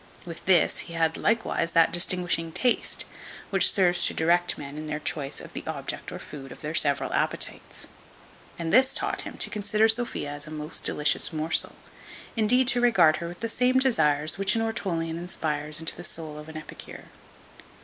With this, he had likewise that distinguishing taste, which serves to direct men in their choice of the object or food of their several appetites; and this taught him to consider Sophia as a most delicious morsel, indeed to regard her with the same desires which an ortolan inspires into the soul of an epicure.